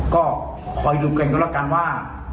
ก็คอยดูกันก็แล้วกันว่า